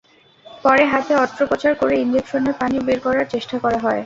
পরে হাতে অস্ত্রোপচার করে ইনজেকশনের পানি বের করার চেষ্টা করা হয়।